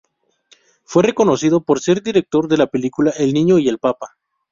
Fue reconocido por ser director de la película "El niño y el papa".